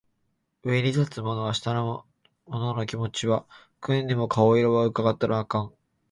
上に立つ者は下の者の気持ちは汲んでも顔色は窺ったらあかん